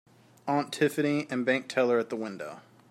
Aunt Tiffany and bank teller at the window.